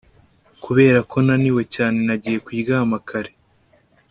Kubera ko naniwe cyane nagiye kuryama kare